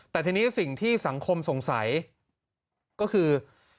แต่ทีนี้สิ่งที่สังคมสงสัยก็คือ